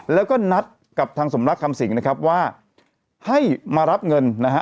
แล้วก็นัดกับทางสมรักคำสิงนะครับว่าให้มารับเงินนะฮะ